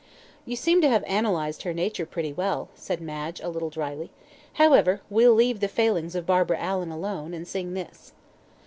"You seem to have analysed her nature pretty well," said Madge, a little dryly; "however, we'll leave the failings of Barbara Allan alone, and sing this."